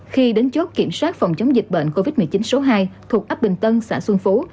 khi đến chốt kiểm soát phòng chống dịch bệnh covid một mươi chín số hai thuộc ấp bình tân xã xuân phú